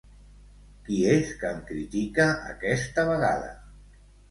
Qui és que em critica, aquesta vegada?